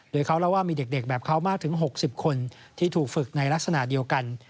โดยเขาเล่าว่ามีเด็กแบบเขามากถึง๖๐คนที่ถูกฝึกในลักษณะเดียวกัน